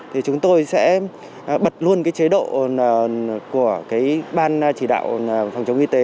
thì chúng tôi sẽ bật luôn cái chế độ của cái ban chỉ đạo phòng chống y tế